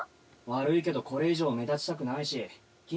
「悪いけどこれ以上目立ちたくないし」